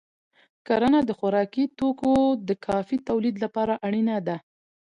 کرنه د خوراکي توکو د کافی تولید لپاره اړینه ده.